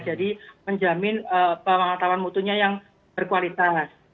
jadi menjamin pemantapan mutunya yang berkualitas